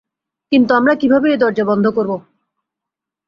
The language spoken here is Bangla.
কিন্তু, আমরা কিভাবে এই দরজা বন্ধ করব?